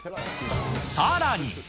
さらに。